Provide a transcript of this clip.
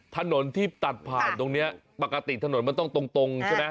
ถนนที่ตัดผ่านตรงนี้ปกติถนนมันต้องตรงใช่ไหม